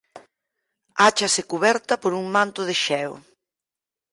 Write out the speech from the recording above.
Áchase cuberta por un manto de xeo.